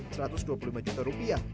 kalau tadi geopolitik sadece sisa kenh sdnote